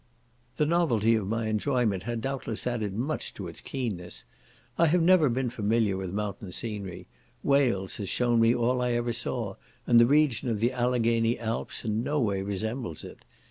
The novelty of my enjoyment had doubtless added much to its keenness. I have never been familiar with mountain scenery. Wales has shewn me all I ever saw, and the region of the Alleghany Alps in no way resembles it.